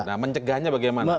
nah mencegahnya bagaimana